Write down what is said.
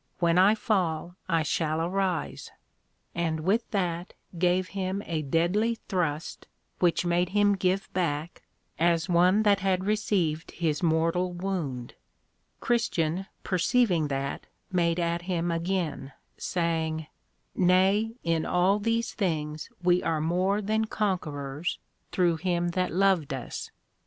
when I fall I shall arise;_ and with that gave him a deadly thrust, which made him give back, as one that had received his mortal wound: Christian, perceiving that, made at him again, saying, _Nay, in all these things we are more than Conquerors through him that loved us.